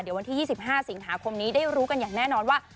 เดี๋ยววันที่๒๕สิงหาคมนี้ได้รู้กันอย่างแน่นอนว่า